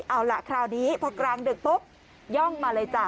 เอาล่ะคราวนี้พอกลางดึกปุ๊บย่องมาเลยจ้ะ